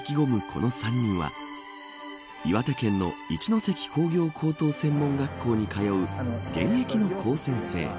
この３人は岩手県の一関工業高等専門学校に通う現役の高専生。